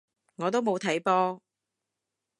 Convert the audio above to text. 我都冇睇波